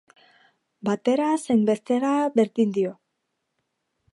Batera zein bestera, berdin dio.